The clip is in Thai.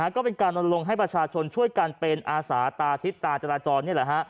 ก็เป็นการลงให้ประชาชนช่วยกันเป็นอาสาตาทิศตาจราจรนี่แหละฮะ